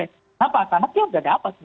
kenapa karena dia sudah dapat